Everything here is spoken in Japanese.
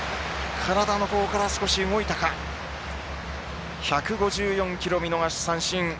体のほうから少し動いたか１５４キロ見逃し三振。